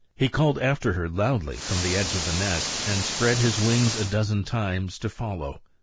He called after her loudly from the edge of the nest, and spread his wings a dozen times to follow.